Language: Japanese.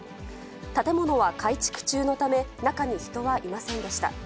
建物は改築中のため、中に人はいませんでした。